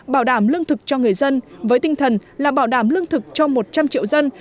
bảo đảm lương thực cho người dân với tinh thần là bảo đảm lương thực cho một trăm linh triệu dân